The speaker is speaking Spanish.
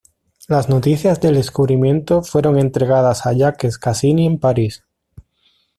Las noticias del descubrimiento fueron entregadas a Jacques Cassini en París.